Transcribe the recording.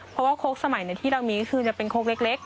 เพราะว่าโค้กสมัยที่เรามีก็คือจะเป็นโค้กเล็ก